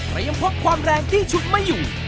แต่ยังพบความแรงที่ชุดไม่อยู่